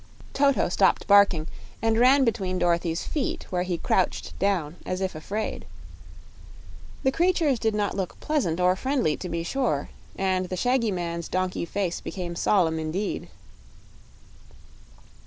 Toto stopped barking and ran between Dorothy's feet, where he crouched down as if afraid. The creatures did not look pleasant or friendly, to be sure, and the shaggy man's donkey face became solemn, indeed.